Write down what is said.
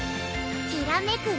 きらめく